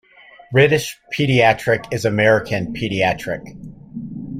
British paediatric is American pediatric.